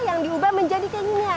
yang diubah menjadi kayak gini ya